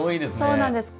そうなんです。